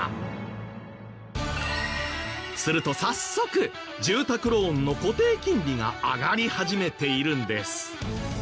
すると早速住宅ローンの固定金利が上がり始めているんです。